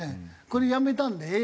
これやめたんだよ